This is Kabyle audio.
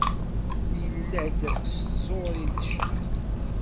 Yella-d s tẓuri d ccna.